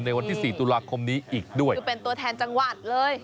วันที่สี่ตุลาคมนี้อีกด้วยคือเป็นตัวแทนจังหวัดเลย